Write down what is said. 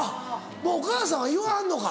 もうお母さんは言わはんのか。